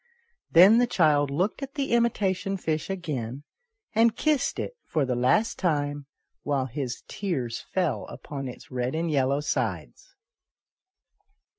Then the child looked at the imitation fish again, and kissed it for the last time, while his tears fell upon its red and yellow sides.